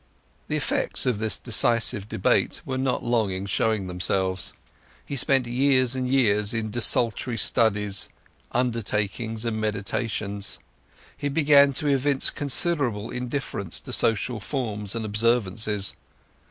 The effects of this decisive debate were not long in showing themselves. He spent years and years in desultory studies, undertakings, and meditations; he began to evince considerable indifference to social forms and observances.